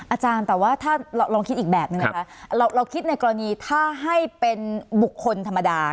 อาจารย์แต่ว่าถ้าลองคิดอีกแบบนึงนะคะเราคิดในกรณีถ้าให้เป็นบุคคลธรรมดา